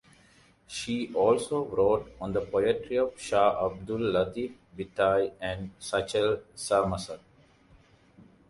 She also wrote on the poetry of Shah Abdul Latif Bhittai and Sachal Sarmast.